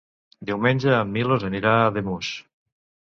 Diumenge en Milos anirà a Ademús.